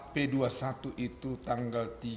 p dua puluh satu itu tanggal tiga